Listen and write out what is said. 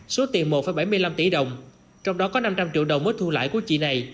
số tiền một bảy mươi năm tỷ đồng trong đó có năm trăm linh triệu đồng mới thu lãi của chị này